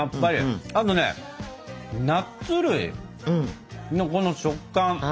あとねナッツ類のこの食感。